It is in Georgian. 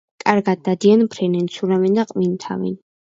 კარგად დადიან, ფრენენ, ცურავენ და ყვინთავენ.